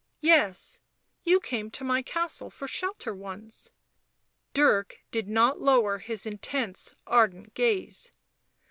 " Yes, you came to my castle for shelter once." Dirk did not lower his intense, ardent gaze.